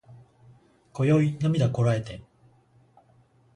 今宵涙こらえて